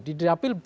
di diapil percaya